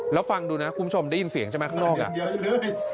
แล้วฟังดูนะคุณผู้ชมได้ยินเสียงจะมึงใกล้ข้างนอก